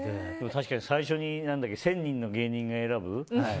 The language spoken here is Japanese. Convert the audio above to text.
確かに最初に１０００人の芸人が選ぶ。